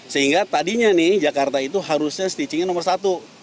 sehingga tadinya nih jakarta itu harusnya stitchingnya nomor satu